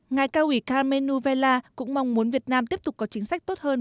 ngài cao ủy carmen nouvella cũng mong muốn việt nam tiếp tục có chính sách tốt hơn